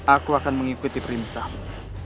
aku akan mengikuti perintahmu